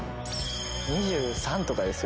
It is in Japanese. ２３とかですよ